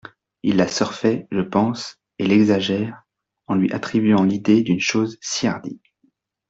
Il la surfait, je pense, et l'exagère, en lui attribuant l'idée d'une chose si hardie.